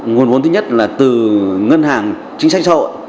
nguồn vốn thứ nhất là từ ngân hàng chính sách xã hội